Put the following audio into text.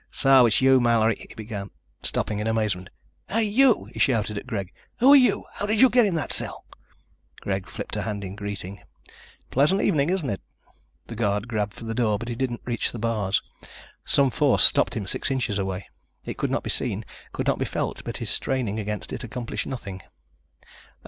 "So it's you, Mallory ..." he began, stopping in amazement. "Hey, you!" he shouted at Greg. "Who are you? How did you get in that cell?" Greg flipped a hand in greeting. "Pleasant evening, isn't it?" The guard grabbed for the door, but he did not reach the bars. Some force stopped him six inches away. It could not be seen, could not be felt, but his straining against it accomplished nothing.